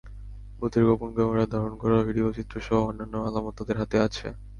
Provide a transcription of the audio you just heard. বুথের গোপন ক্যামেরায় ধারণ করা ভিডিও চিত্রসহ অন্যান্য আলামত তাঁদের হাতে আছে।